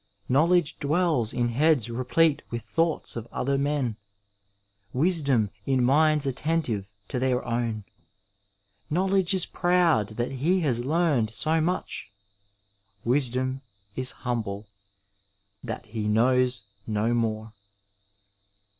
Knowledge dwells In heads replete with thoughts of other men ; Wisdom in minds attentiTe to their own. Knowledge is proud that he has learned so mvch ; Wisdom is humble that he knows no more.